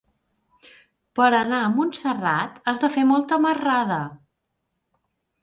Per anar a Montserrat has de fer molta marrada.